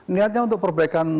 niatnya untuk perbaikan